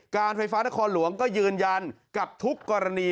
การไฟฟ้านครหลวงก็ยืนยันกับทุกกรณี